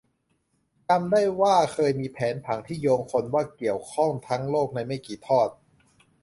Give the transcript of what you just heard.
จำได้ว่าเคยมีแผนผังที่โยงคนว่าเกี่ยวข้องทั้งโลกในไม่กี่ทอด